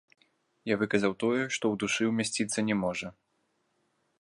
Я выказаў тое, што ў душы ўмясціцца не можа.